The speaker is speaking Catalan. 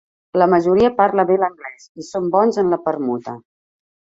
La majoria parla bé l'anglès i són bons en la permuta.